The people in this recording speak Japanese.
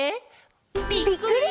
ぴっくり！